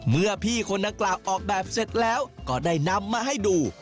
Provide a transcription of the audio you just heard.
เมื่อพี่คนดังกล่าวออกแบบเสร็จแล้วก็ได้นำมาให้ดู